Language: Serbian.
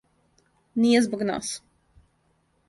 Није због нас.